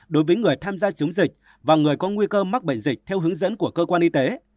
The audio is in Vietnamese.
đối với người tham gia chống dịch và người có nguy cơ mắc bệnh dịch theo hướng dẫn của cơ quan y tế